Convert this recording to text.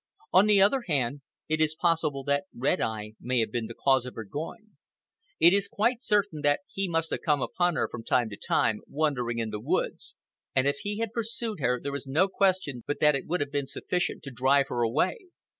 On the other hand, it is possible that Red Eye may have been the cause of her going. It is quite certain that he must have come upon her from time to time, wandering in the woods; and if he had pursued her there is no question but that it would have been sufficient to drive her away.